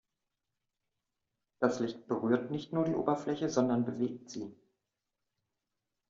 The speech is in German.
Das Licht berührt nicht nur die Oberfläche, sondern bewegt sie.